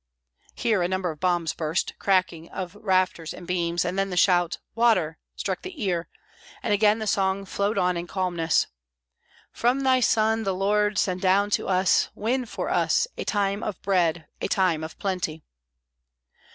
Here a number of bombs burst; the cracking of rafters and beams, and then the shout: "Water!" struck the ear, and again the song flowed on in calmness. "From Thy Son the Lord Send down to us, win for us, A time of bread, a time of plenty."